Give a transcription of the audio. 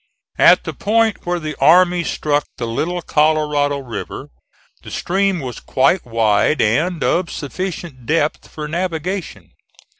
At the point where the army struck the Little Colorado River, the stream was quite wide and of sufficient depth for navigation.